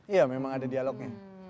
iya memang ada dialognya